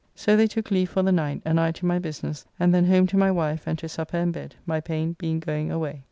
So they took leave for the night, and I to my business, and then home to my wife and to supper and bed, my pain being going away.